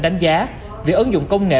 đánh giá việc ứng dụng công nghệ